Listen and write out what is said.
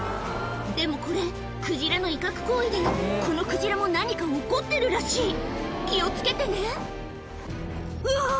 でもこれクジラの威嚇行為でこのクジラも何か怒ってるらしい気を付けてねうわ